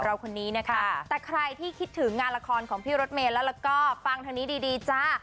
คนนี้นะคะแต่ใครที่คิดถึงงานละครของพี่รถเมย์แล้วก็ฟังทางนี้ดีจ้า